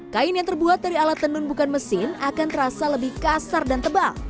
kain yang terbuat dari alat tenun bukan mesin akan terasa lebih kasar dan tebal